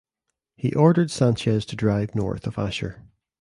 He ordered Sanchez to drive north of Asher.